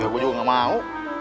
ya gue juga nggak mau